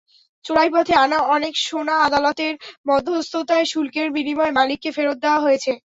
চোরাইপথে আনা অনেক সোনা আদালতের মধ্যস্থতায় শুল্কের বিনিময়ে মালিককে ফেরত দেওয়া হয়েছে।